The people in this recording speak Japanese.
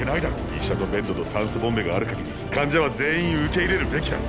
医者とベッドと酸素ボンベがある限り患者は全員受け入れるべきだ。